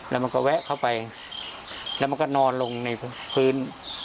แล้วมันก็แวะเข้าไปแล้วมันก็นอนลงในพื้น